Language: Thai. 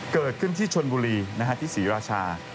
เกิดขึ้นที่ชนบุรีที่ศรีราชา